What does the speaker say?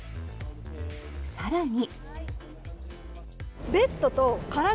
更に。